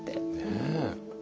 ねえ。